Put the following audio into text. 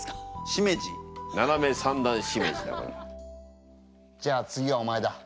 しめじ？じゃあ次はお前だ。